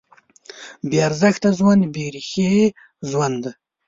بېارزښته ژوند بېریښې ژوند دی.